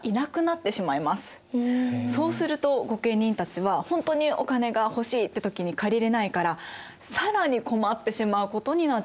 そうすると御家人たちはほんとにお金が欲しいって時に借りれないから更に困ってしまうことになっちゃったんです。